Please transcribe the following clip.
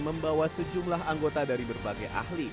membawa sejumlah anggota dari berbagai ahli